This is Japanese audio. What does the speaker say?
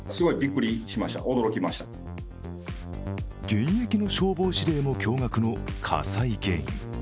現役の消防司令も驚がくの火災原因。